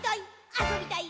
あそびたい！